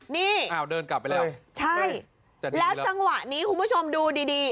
นี่อ้าวเดินกลับไปแล้วใช่แล้วจังหวะนี้คุณผู้ชมดูดีดี